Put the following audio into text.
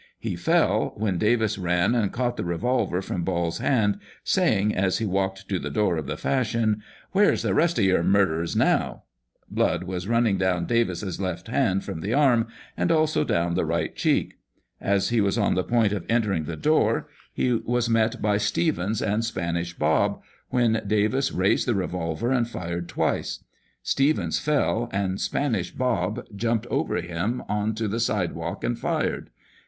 He fell, when Davis ran and caught the revolver from Ball's hand, saying, as he walked to the door of the Fashion, ' Where's the rest of your murderers now ?' Blood was running down Davis's left hand from the arm, and also down the right cheek. As he was on the point of entering the door, he was met by Stevens and Spanish Bob, when Davis raised the revolver and fired twice. Stevens fell, and Spanish Bob jumped over him on to the side walk and fired.